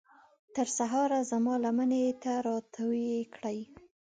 تر سهاره زما لمنې ته راتوی کړئ